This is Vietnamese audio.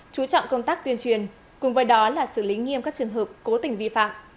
chú trọng công tác tuyên truyền cùng với đó là xử lý nghiêm các trường hợp cố tình vi phạm